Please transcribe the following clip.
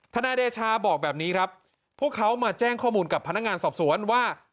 นายเดชาบอกแบบนี้ครับพวกเขามาแจ้งข้อมูลกับพนักงานสอบสวนว่า